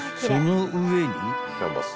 ［その上に］